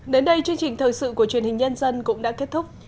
đến đây chương trình thời sự của truyền hình nhân dân cũng đã kết thúc